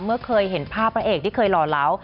เคยเห็นภาพพระเอกที่เคยหล่อเหลา